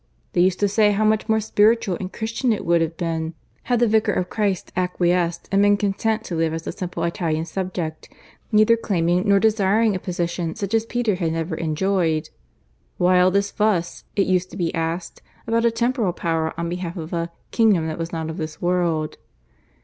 They used to say how much more spiritual and Christian it would have been, had the Vicar of Christ acquiesced and been content to live as a simple Italian subject, neither claiming nor desiring a position such as Peter had never enjoyed. Why all this fuss, it used to be asked, about a Temporal Power on behalf of a "Kingdom that was not of this world"?